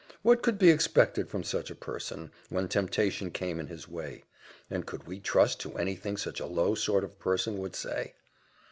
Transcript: What could be expected from such a person, when temptation came in his way? and could we trust to any thing such a low sort of person would say?